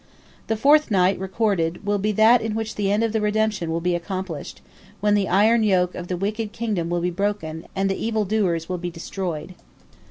The fourth night recorded will be that in which the end of the redemption will be accomplished, when the iron yoke of the wicked kingdom will be broken, and the evil doers will be destroyed.